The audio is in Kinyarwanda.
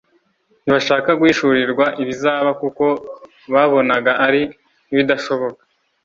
ntibashaka guhishurirwa ibizaba kuko babonaga ari nk'ibidashoboka.